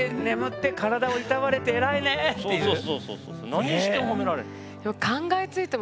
何しても褒められる。